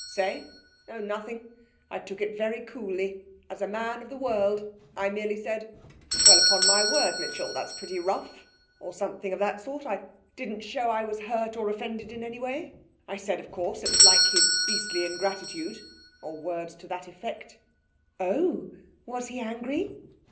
'Say? Oh, nothing. I took it very coolly as a man of the world. I merely said, "Well, upon my word, Mitchell, this is pretty rough," or something of that sort. I didn't show I was hurt or offended in any way. I said, of course, it was like his beastly ingratitude or words to that effect.' 'Oh! Was he angry?'